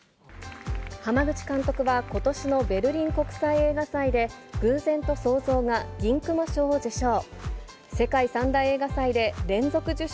濱口監督はことしのベルリン国際映画祭で、偶然と想像が銀熊賞を受賞。